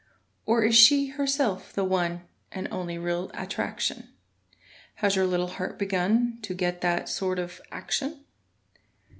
Or is she herself the one And only real attraction? Has your little heart begun To get that sort of action?